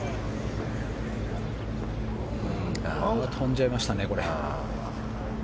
飛んじゃいましたね。